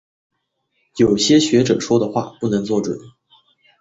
有些学者说的话不能做准。